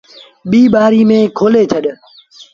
ٻي ٻآري ميݩ کولي ڇڏ۔